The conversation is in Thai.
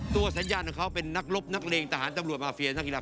สัญญาณของเขาเป็นนักรบนักเลงทหารตำรวจมาเฟียนักกีฬา